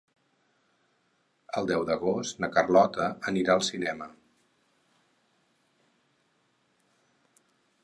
El deu d'agost na Carlota anirà al cinema.